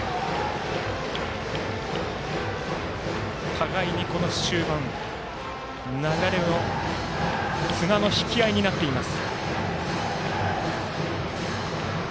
互いにこの終盤綱の引き合いになっています。